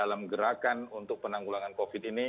dalam gerakan untuk penanggulangan covid ini